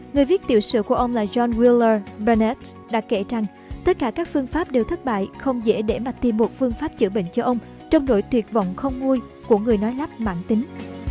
người viết tiểu sử của ông là john wheeler burnett đã kể rằng tất cả các phương pháp đều thất bại không dễ để mà tìm một phương pháp chữa bệnh cho ông trong nỗi tuyệt vọng không nguôi của người nói lắp mạng tính